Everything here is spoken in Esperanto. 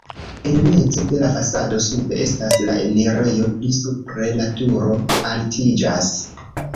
En mezo de la fasado sube estas la enirejo, pli supre la turo altiĝas.